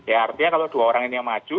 ya artinya kalau dua orang ini yang maju